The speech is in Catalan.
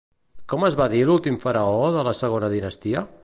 Com es va dir l'últim faraó de la segona dinastia?